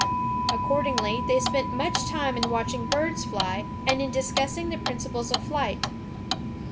Accordingly they spent much time in watching birds fly, and in discussing the principles of flight.